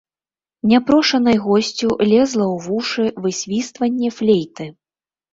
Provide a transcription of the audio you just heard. Няпрошанай госцю лезла ў вушы высвістванне флейты.